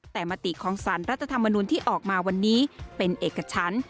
แต่มติของสารรัฐธรรมนุนที่ออกมาวันนี้เป็นเอกชั้น